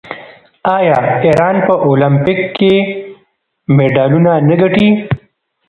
آیا ایران په المپیک کې مډالونه نه ګټي؟